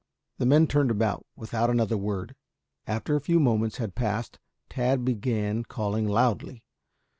The men turned about without another word. After a few moments had passed Tad began calling loudly.